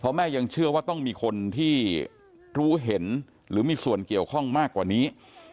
แม่ยังเชื่อว่าต้องมีคนที่รู้เห็นหรือมีส่วนเกี่ยวข้องมากกว่านี้